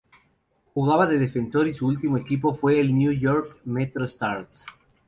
Jugaba de defensor y su último equipo fue el New York MetroStars.